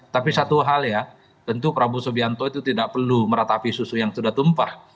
tapi satu hal ya tentu prabowo subianto itu tidak perlu meratapi susu yang sudah tumpah